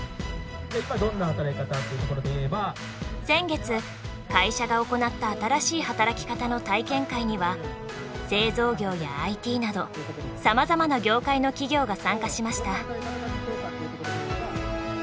先月会社が行った新しい働き方の体験会には製造業やＩＴなどさまざまな業界の企業が参加しました。